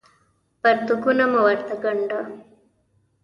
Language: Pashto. پرتوګونه مه ورته ګاڼډه